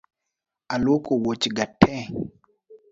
Alwoko wuoch ga tee